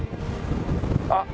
あっ